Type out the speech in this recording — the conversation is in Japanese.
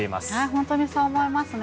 本当にそう思いますね。